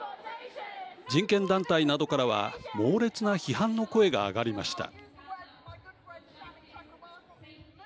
人権団体などからは猛烈な批判の声が上がりました。